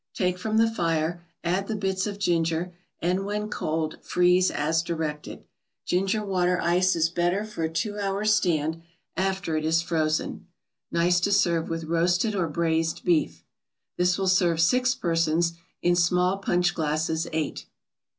Take from the fire, add the bits of ginger, and, when cold, freeze as directed. Ginger water ice is better for a two hour stand, after it is frozen. Nice to serve with roasted or braised beef. This will serve six persons; in small punch glasses, eight.